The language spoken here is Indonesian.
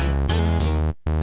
ya aku mau